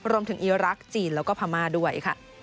รวมถึงอิรักษ์จีนแล้วก็พามาด้วย